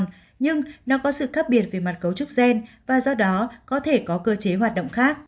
nhưng nó có sự khác biệt về mặt cấu trúc gen và do đó có thể có cơ chế hoạt động khác